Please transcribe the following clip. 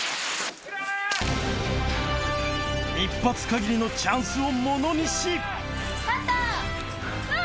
１発限りのチャンスをものにしうわ